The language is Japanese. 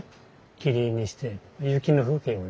切り絵にして雪の風景をね。